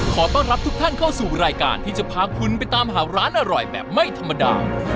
ขอต้อนรับทุกท่านเข้าสู่รายการที่จะพาคุณไปตามหาร้านอร่อยแบบไม่ธรรมดา